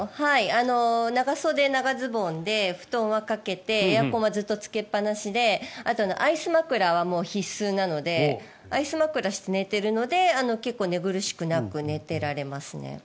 長袖、長ズボンで布団はかけてエアコンはずっとつけっぱなしであとアイス枕は必須なのでアイス枕をして寝ているので結構寝苦しくなく寝ていられますね。